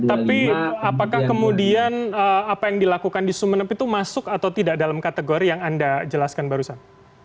tapi apakah kemudian apa yang dilakukan di sumeneb itu masuk atau tidak dalam kategori yang anda jelaskan barusan